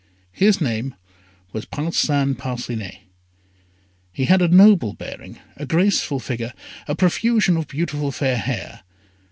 His name was Parcin Parcinet. He had a noble bearing, a graceful figure, a profusion of beautiful fair hair.